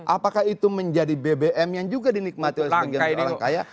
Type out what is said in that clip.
apakah itu menjadi bbm yang juga dinikmati oleh sebagian orang kaya